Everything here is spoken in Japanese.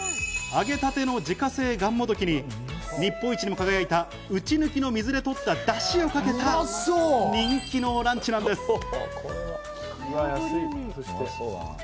揚げたての自家製がんもどきに日本一にも輝いた、うちぬきの水でとった出汁をかけた、人気のランチなんです。